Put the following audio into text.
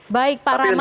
baik pak rahmat